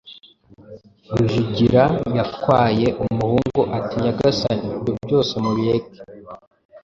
Rujugira yatwaye ?» Umuhungu, ati «Nyagasani ibyo byose mubireke,